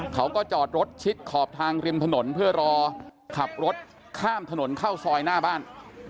เขาก็จอดรถชิดขอบทางริมถนนเพื่อรอขับรถข้ามถนนเข้าซอยหน้าบ้าน